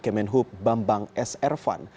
kemenhub bambang sr fun